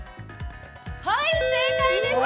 ◆はい、正解です。